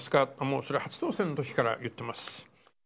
それは初当選のときから言ってます。